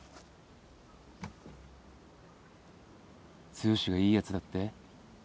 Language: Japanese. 剛がいいやつだって？